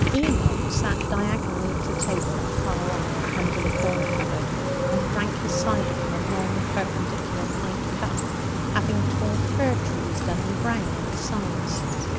Enoch sat diagonally at a table afar off, under the corner cupboard, and drank his cider from a long perpendicular pint cup, having tall fir trees done in brown on its sides.